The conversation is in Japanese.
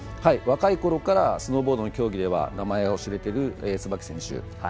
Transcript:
若いころからスノーボード競技では名前が知られているつばき選手。